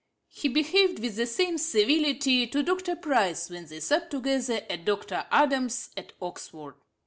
He behaved with the same civility to Dr. Price, when they supped together at Dr. Adams's at Oxford.